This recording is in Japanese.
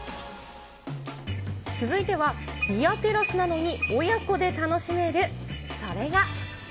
続いては、ビアテラスなのに親子で楽しめる、それが。